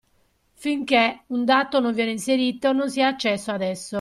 Finché un dato non viene inserito, non si ha accesso ad esso.